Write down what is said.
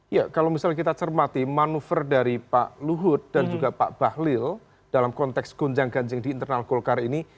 ya kalau misalnya kita cermati manuver dari pak luhut dan juga pak bahlil dalam konteks gonjang ganjing di internal golkar ini